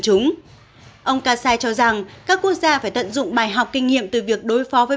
chúng ông kassai cho rằng các quốc gia phải tận dụng bài học kinh nghiệm từ việc đối phó với